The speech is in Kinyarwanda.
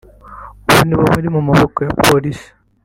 ubu ni bo bari mu maboko ya polisi